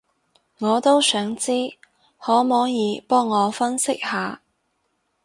我都想知，可摸耳幫我分析下